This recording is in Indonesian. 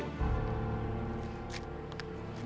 bawel lo tau gak